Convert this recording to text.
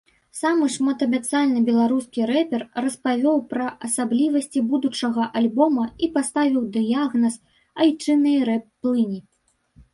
Самы шматабяцальны беларускі рэпер распавёў пра асаблівасці будучага альбома і паставіў дыягназ айчыннай рэп-плыні.